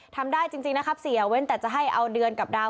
ทำได้จริงนะครับเสียเว้นแต่จะให้เอาเดือนกับดาว